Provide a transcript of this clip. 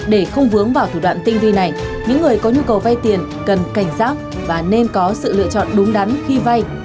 để không vướng vào thủ đoạn tinh vi này những người có nhu cầu vay tiền cần cảnh giác và nên có sự lựa chọn đúng đắn khi vay